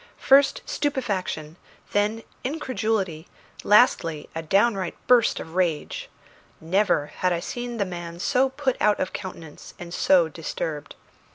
First stupefaction, then incredulity, lastly a downright burst of rage. Never had I seen the man so put out of countenance and so disturbed.